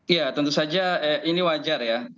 ya tentu saja ini wajar ya